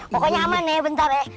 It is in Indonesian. pokoknya aman nih bentar ya